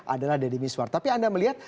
adalah deddy miswar tapi anda melihat